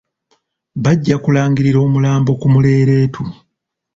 Bajja kulangirira omulambo ku muleeretu.